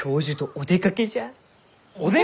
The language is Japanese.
お出かけ！？